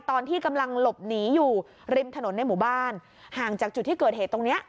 ตอนที่กำลังหลบหนีอยู่ริมถนนในหมู่บ้านห่างจากจุดที่เกิดเหตุตรงเนี้ย